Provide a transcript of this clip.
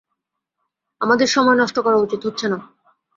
আমাদের সময় নষ্ট করা উচিত হচ্ছে না।